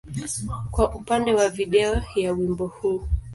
kwa upande wa video ya wimbo huu.